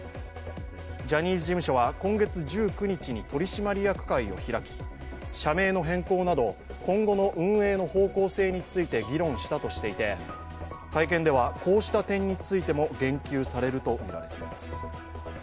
ジャニーズ事務所は今月１９日に取締役会を開き社名の変更など、今後の運営の方向性について議論したとしていて、会見では、こうした点についても言及されるとみられます。